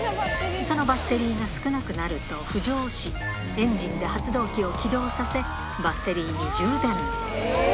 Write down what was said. そのバッテリーが少なくなると浮上し、エンジンで発動機を起動させ、バッテリーに充電。